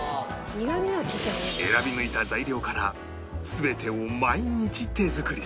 選び抜いた材料から全てを毎日手作りする